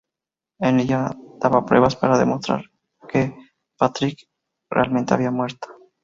En ella daba pruebas para demostrar que Partridge realmente había muerto.